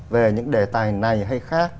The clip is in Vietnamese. về những đề tài này hay khác